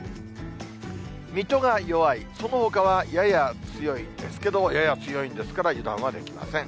水戸が弱い、そのほかはやや強いですけど、やや強いんですから、油断はできません。